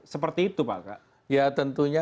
seperti itu pak ya tentunya